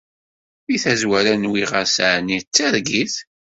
Di tazwara nwiɣ-as ɛni d targit.